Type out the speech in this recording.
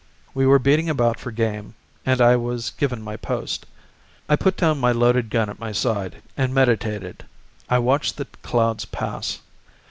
We were beating about for game and I was given my post. I put down my unloaded gun at my side, and meditated. I watched the clouds pass.